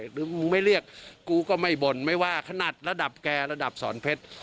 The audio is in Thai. หรือกูไม่เรียกกูก็ไม่บ่นไม่ว่าขนาดระดับแกระดับสอนเพชร